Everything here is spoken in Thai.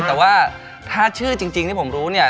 แต่ว่าถ้าชื่อจริงที่ผมรู้เนี่ย